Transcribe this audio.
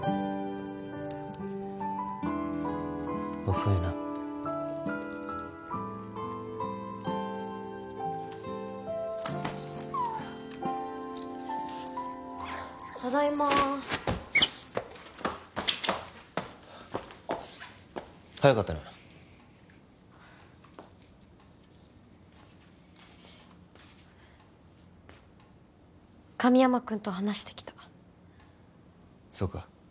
遅いなただいま早かったな神山くんと話してきたそうか